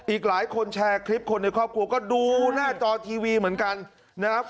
อีกหลายคนแชร์คลิปคนในครอบครัวก็ดูหน้าจอทีวีเหมือนกันนะครับ